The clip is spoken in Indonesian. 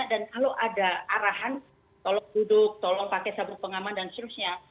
dan kalau ada arahan tolong duduk tolong pakai sabuk pengangkutan